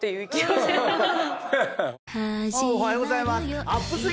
おはようございます。